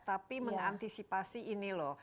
tapi mengantisipasi ini loh